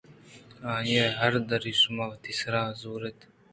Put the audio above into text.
آئی ءِ ہرردی ءَ شما وتی سرا زوراِت